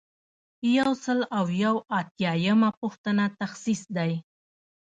یو سل او یو اتیایمه پوښتنه تخصیص دی.